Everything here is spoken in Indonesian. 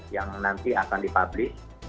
yang nanti akan di publis